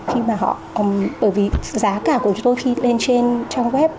bởi vì giá cả của chúng tôi khi lên trên trang web